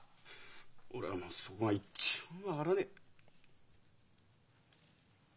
俺はもうそこが一番分からねえ。